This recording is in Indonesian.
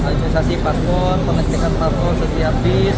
organisasi paspor pengecekan platform setiap bis